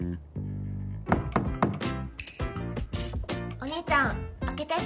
お義兄ちゃん開けて。